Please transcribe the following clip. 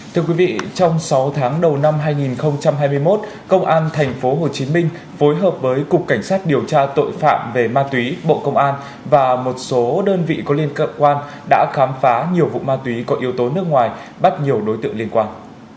thưa quý vị trong sáu tháng đầu năm hai nghìn hai mươi một công an tp hcm phối hợp với cục cảnh sát điều tra tội phạm về ma túy bộ công an và một số đơn vị có liên quan đã khám phá nhiều vụ ma túy có yếu tố nước ngoài bắt nhiều đối tượng liên quan